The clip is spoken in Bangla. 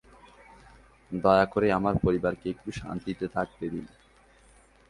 দয়া করে আমার পরিবারকে একটু শান্তিতে থাকতে দিন।